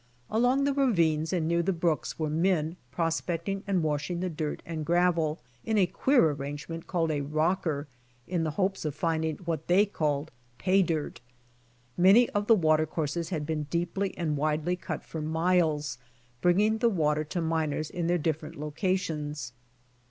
Along the ravines and near the brooks were men prospecting and washing the dirt and gravel in a queer arrangement called a rocker, in the hopes of finding what they called pay dirt. Many of the water courses had been deeply and widely cut for miles, bringing the water to miners in their different loca tions.